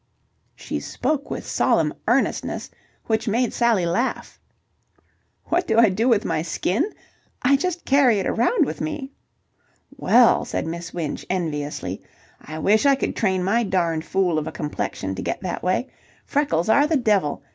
She spoke with solemn earnestness which made Sally laugh. "What do I do with my skin? I just carry it around with me." "Well," said Miss Winch enviously, "I wish I could train my darned fool of a complexion to get that way. Freckles are the devil.